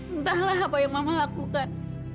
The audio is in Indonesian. entahlah apa yang mama lakukan